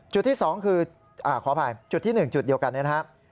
จุดที่๒คือขออภัยจุดที่๑จุดเดียวกันนะครับ